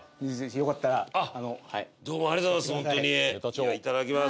よかったらあのどうもありがとうございます頂きます